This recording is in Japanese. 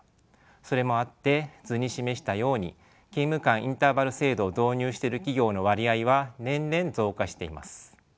それもあって図に示したように勤務間インターバル制度を導入してる企業の割合は年々増加しています。